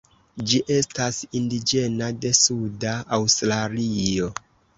Ĝi estas indiĝena de suda Aŭstralio.